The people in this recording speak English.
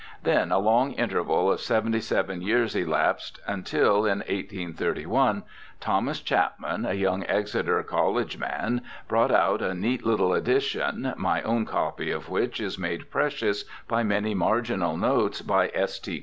Then a long inter\^al of seventy seven years elapsed, until in 1831 Thomas Chapman, a young Exeter College man, brought out a neat little edition, my own copy of which is made precious by many marginal notes by S. T.